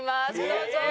どうぞ。